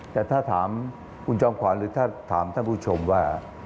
แต่ถ้าถามคุณจอมขวานหรือถ้าถามท่านผู้ชมว่า